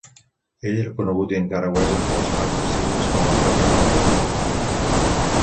Ell era conegut i encara ho és entre els fans dels cignes com el "Capità valent".